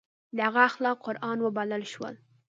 د هغه اخلاق قرآن وبلل شول.